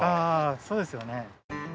そうですよね。